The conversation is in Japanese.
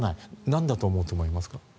何だと思うと思いますか？